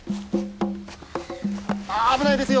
危ないですよ！